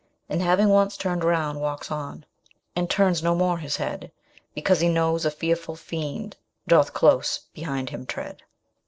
And having once turned round, walks on, And turns no more his head, Because he knows a fearful fiend Doth close behind him tread.